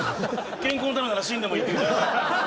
健康のためなら死んでもいい。